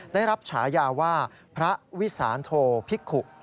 ได้รับฉายาว่าพระวิสานโทพิกุ